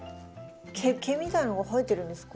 毛みたいのが生えてるんですか？